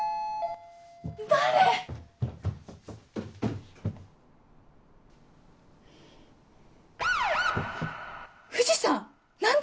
誰⁉藤さん⁉何で？